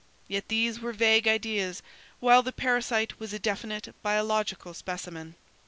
Yet these were vague ideas, while the parasite was a definite biological specimen.